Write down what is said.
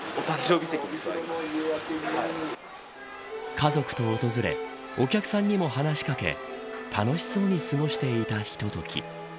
家族と訪れお客さんにも話し掛け楽しそうに過ごしていたひととき。